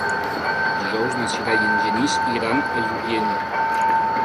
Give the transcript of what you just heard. Dijous na Sira i en Genís iran a Lludient.